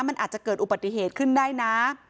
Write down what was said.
มันอาจจะเกิดอุบัติเหตุขึ้นได้นะ